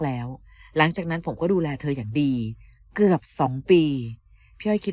แล้วหลังจากนั้นผมก็ดูแลเธออย่างดีเกือบสองปีพี่อ้อยคิด